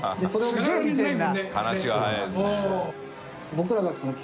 すげぇ見てるな。